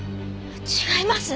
違います！